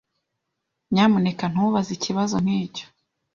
Nyamuneka ntubaze ikibazo nkicyo.